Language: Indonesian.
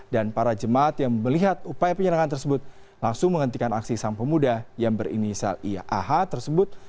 dan para jemaat yang melihat upaya penyerangan tersebut langsung menghentikan aksi seorang pemuda yang berinisial iaah tersebut